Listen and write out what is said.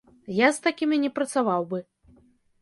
Я з такімі не працаваў бы.